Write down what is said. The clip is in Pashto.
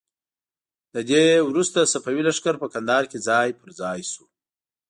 له دې وروسته صفوي لښکر په کندهار کې ځای په ځای شو.